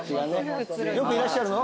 よくいらっしゃるの？